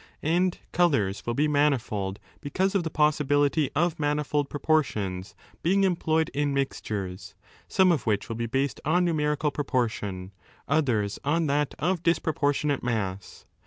And colours will be manifold because of the possibility of manifold proportions 22 being employed in mixtures, some of which will be based on numerical proportion, others on that of disproportionate mass.